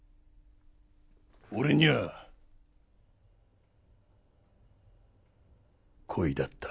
俺には恋だった。